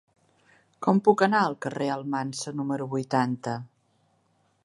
Com puc anar al carrer d'Almansa número vuitanta?